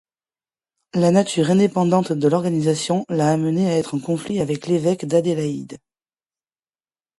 La nature indépendante de l'organisation l'a amenée à être en conflit avec l'évêque d'Adélaïde.